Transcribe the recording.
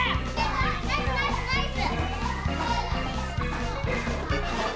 ナイスナイスナイス！